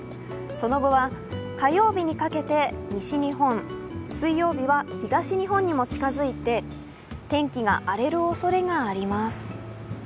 その後は、火曜日にかけて西日本、水曜日は東日本にも近づいて、天気が荒れるおそれがあります。